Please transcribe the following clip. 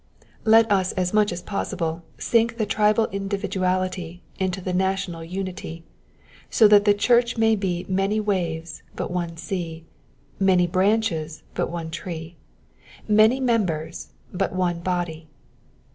Let us as much as possible sink the tribal individuality in the national unity, so that the church may be many waves, but one sea ; many branches, but one tree ; many members, but one body.